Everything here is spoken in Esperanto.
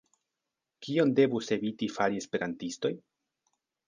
Kion devus eviti fari esperantistoj?